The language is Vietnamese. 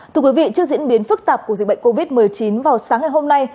thưa quý vị trước diễn biến phức tạp của dịch bệnh covid một mươi chín vào sáng ngày hôm nay